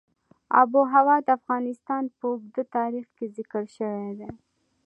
آب وهوا د افغانستان په اوږده تاریخ کې ذکر شوی دی.